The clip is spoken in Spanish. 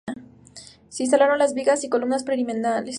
Se instalaron las vigas y columnas perimetrales.